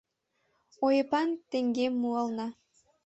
Ойыпан теҥгем муална.